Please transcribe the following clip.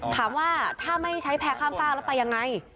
ถามว่าถ้าไม่ใช้แพร่ข้ามฝากแล้วไปยังไง